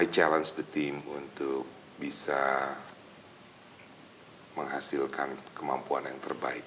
saya mencoba untuk bisa menghasilkan kemampuan yang terbaik